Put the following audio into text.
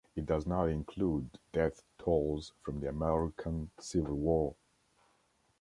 It does not include death tolls from the American Civil War.